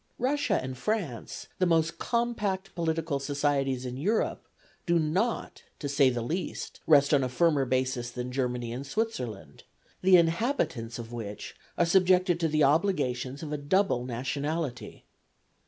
Russia and France, the most compact political societies in Europe, do not, to say the least, rest on a firmer basis than Germany and Switzerland, the inhabitants of which are subjected to the obligations of a double nationality.